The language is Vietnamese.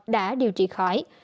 đã điều trị khỏi